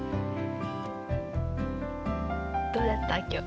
どうだった今日？